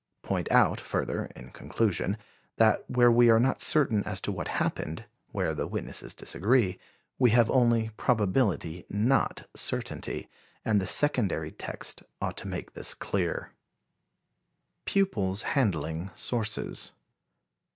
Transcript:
Point out, further, in conclusion, that where we are not certain as to what happened where the witnesses disagree we have only probability, not certainty, and the secondary text ought to make this clear. Pupils Handling Sources.